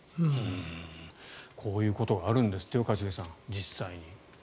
こういうことがあるんですってよ一茂さん、実際に。